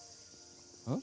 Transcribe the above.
うん？